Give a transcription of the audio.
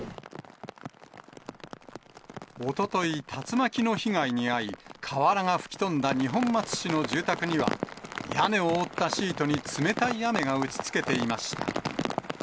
おととし、おととい、竜巻の被害に遭い、瓦が吹き飛んだ二本松市の住宅には、屋根を覆ったシートに冷たい雨が打ちつけていました。